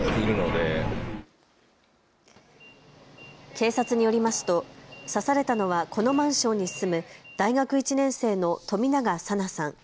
警察によりますと刺されたのはこのマンションに住む大学１年生の冨永紗菜さん。